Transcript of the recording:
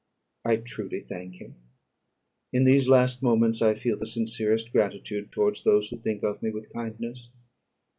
"I truly thank him. In these last moments I feel the sincerest gratitude towards those who think of me with kindness.